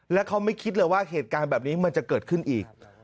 แล้วเขาไม่คิดเลยว่าเหตุการณ์แบบนี้มันจะเกิดขึ้นอีก